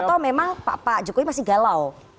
atau memang pak jokowi masih galau